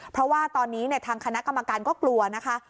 เพราะว่าตอนนี้ทางคณะกรรมการก็กลัวนะคะ